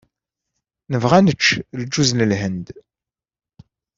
Nebɣa ad nečč lǧuz n Lhend.